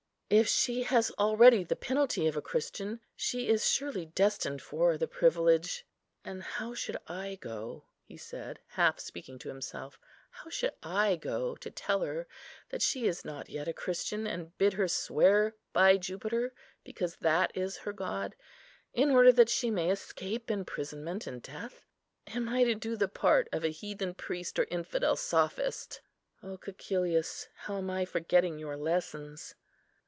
If she has already the penalty of a Christian, she is surely destined for the privilege. And how should I go," he said, half speaking to himself, "how should I go to tell her that she is not yet a Christian, and bid her swear by Jupiter, because that is her god, in order that she may escape imprisonment and death? Am I to do the part of a heathen priest or infidel sophist? O Cæcilius, how am I forgetting your lessons!